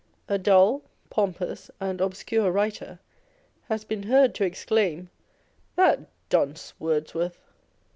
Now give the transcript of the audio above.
A dull, pompous, and obscure writer has been heard to exclaim, " That dunce Wordsworth